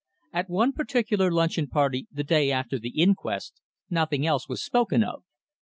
At one particular luncheon party the day after the inquest, nothing else was spoken of.